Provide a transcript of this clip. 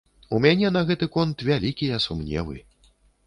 У мяне на гэты конт вялікія сумневы.